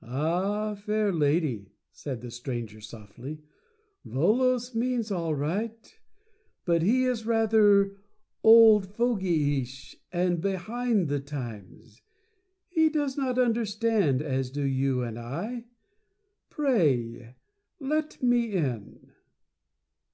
"Ah, fair lady," said the Stranger softly, "Volos means all right, but he is rather old fogyish, and behind the times. He does not 'Understand,' as do you and I. Pray, let me in."